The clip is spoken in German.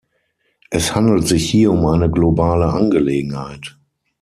Es handelt sich hier um eine globale Angelegenheit.